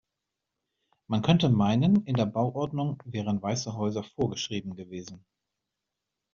Man könnte meinen, in der Bauordnung wären weiße Häuser vorgeschrieben gewesen.